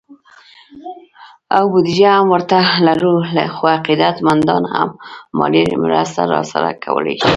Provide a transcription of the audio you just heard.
او بودیجه هم ورته لرو، خو عقیدت مندان هم مالي مرسته راسره کولی شي